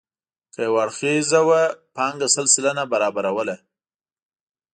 که یو اړخیزه وه پانګه سل سلنه برابروله.